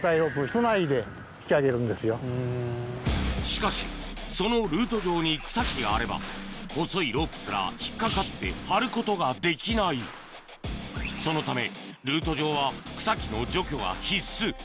しかしそのルート上に草木があれば細いロープすら引っ掛かって張ることができないそのためルート上は草木の除去が必須